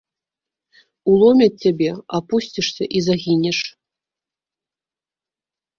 Уломяць цябе, апусцішся і загінеш.